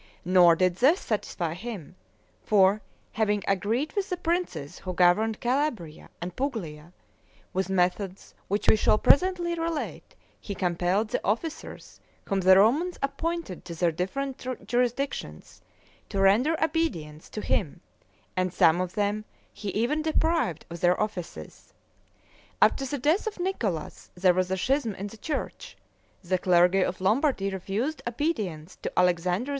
Nor did this satisfy him; for, having agreed with the princes who governed Calabria and Puglia, with methods which we shall presently relate, he compelled the officers whom the Romans appointed to their different jurisdictions, to render obedience to him; and some of them he even deprived of their offices. After the death of Nicholas, there was a schism in the church; the clergy of Lombardy refused obedience to Alexander II.